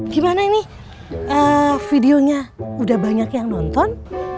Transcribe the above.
gimana ini videonya udah banyak yang nonton